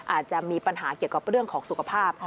อาจจะมีปัญหาเกี่ยวกับเรื่องของสุขภาพ